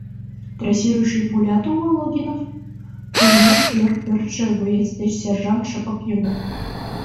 — Трассирующий пулят уло, Логинов? — пулемёт йыр пӧрдшӧ боец деч сержант шыпак йодо.